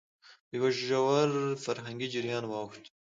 په يوه ژور فرهنګي جريان واوښت،